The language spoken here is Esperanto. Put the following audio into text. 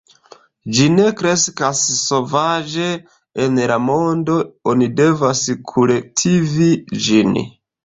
Ĝi ne kreskas sovaĝe en la mondo; oni devas kultivi ĝin.